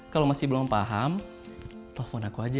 kalau masih belum paham telepon aku aja